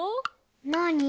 なに？